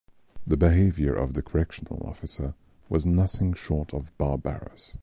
The behavior of the correctional officers was nothing short of barbarous.